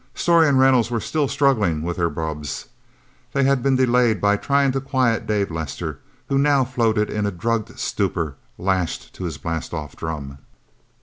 Storey and Reynolds were still struggling with their bubbs. They had been delayed by trying to quiet Dave Lester, who now floated in a drugged stupor, lashed to his blastoff drum.